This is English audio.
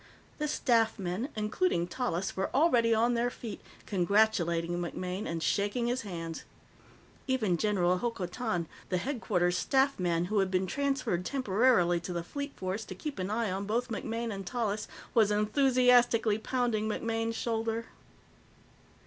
The staff men, including Tallis, were already on their feet, congratulating MacMaine and shaking his hands. Even General Hokotan, the Headquarters Staff man, who had been transferred temporarily to the Fleet Force to keep an eye on both MacMaine and Tallis, was enthusiastically pounding MacMaine's shoulder.